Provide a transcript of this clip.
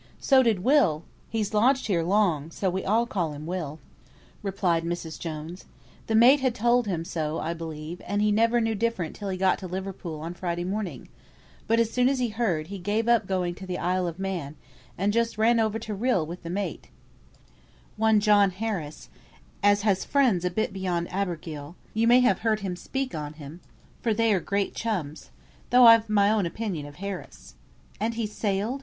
"So did Will (he's lodged here long, so we all call him 'Will')," replied Mrs. Jones. "The mate had told him so, I believe, and he never knew different till he got to Liverpool on Friday morning; but as soon as he heard, he gave up going to the Isle o' Man, and just ran over to Rhyl with the mate, one John Harris, as has friends a bit beyond Abergele; you may have heard him speak on him, for they are great chums, though I've my own opinion of Harris." "And he's sailed?"